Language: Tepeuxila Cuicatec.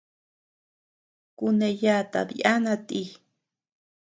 Kuneyatad yana ti.